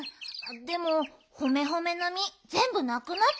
でもホメホメのみぜんぶなくなっちゃった。